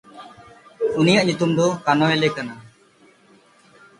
ᱩᱱᱤᱭᱟᱜ ᱧᱩᱛᱩᱢ ᱫᱚ ᱠᱟᱱᱚᱣᱮᱞᱮ ᱠᱟᱱᱟ᱾